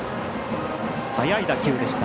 速い打球でした。